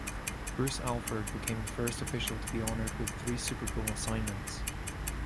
Bruce Alford became the first official to be honored with three Super Bowl assignments.